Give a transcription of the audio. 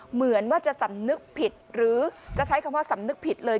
เหมือนว่าจะสำนึกผิดหรือจะใช้คำว่าสำนึกผิดเลย